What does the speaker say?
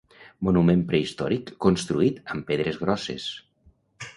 Monument prehistòric construït amb pedres grosses.